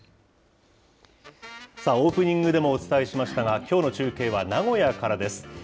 さあ、オープニングでもお伝えしましたが、きょうの中継は名古屋からです。